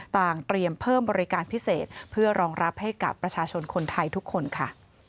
เตรียมเพิ่มบริการพิเศษเพื่อรองรับให้กับประชาชนคนไทยทุกคนค่ะ